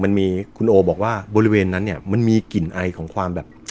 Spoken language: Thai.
มันมีคุณโอบอกว่าบริเวณนั้นเนี่ยมันมีกลิ่นไอของความแบบ